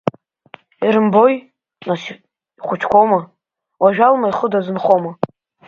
Ирымбои, нас, ихәыҷқәоума, уажәы Алма ихы дазынхома.